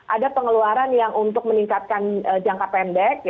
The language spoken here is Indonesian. ada pengeluaran yang untuk meningkatkan jangka pendek